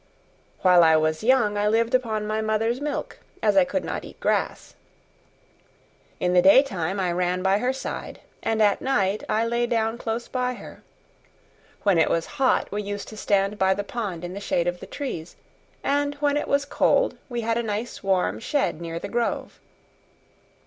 While I was young I lived upon my mother's milk, as I could not eat grass. In the daytime I ran by her side, and at night I lay down close by her. When it was hot we used to stand by the pond in the shade of the trees, and when it was cold we had a nice warm shed near the grove.